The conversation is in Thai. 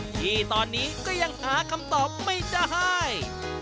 ที่ตอนนี้ก็ยังหาคำตอบไม่ได้